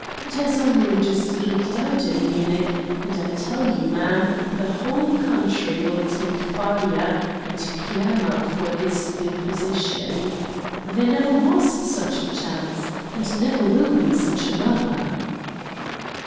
It has only just leaked out in Munich; and I tell you, man, the whole country will take fire and clamor for his deposition. There never was such a chance, and never will be such another."